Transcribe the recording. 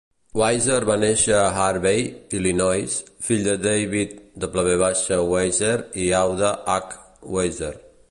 Weiser va néixer a Harvey, Illinois, fill de David W. Weiser i Audra H. Weiser.